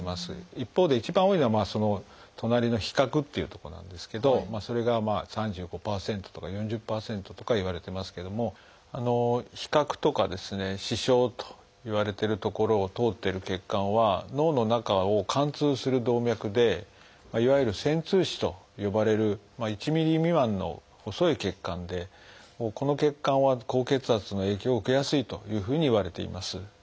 一方で一番多いのはその隣の「被殻」っていう所なんですけどそれが３５％とか４０％とかいわれてますけども被殻とか視床といわれてる所を通ってる血管は脳の中を貫通する動脈でいわゆる「穿通枝」と呼ばれる１ｍｍ未満の細い血管でこの血管は高血圧の影響を受けやすいというふうにいわれています。